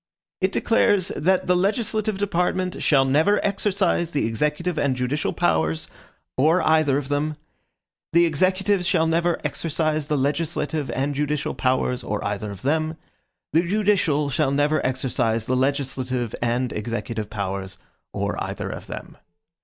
It declares "that the legislative department shall never exercise the executive and judicial powers, or either of them; the executive shall never exercise the legislative and judicial powers, or either of them; the judicial shall never exercise the legislative and executive powers, or either of them."